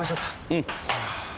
うん。